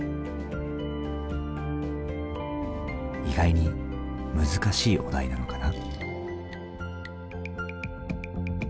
意外に難しいお題なのかな。